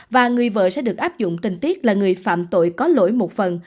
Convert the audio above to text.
và người vợ sẽ được áp dụng tình tiết là người phạm tội có lỗi một phần